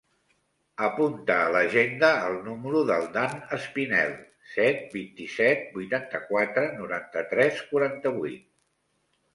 Apunta a l'agenda el número del Dan Espinel: set, vint-i-set, vuitanta-quatre, noranta-tres, quaranta-vuit.